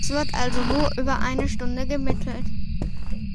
Es wird also nur über eine Stunde gemittelt.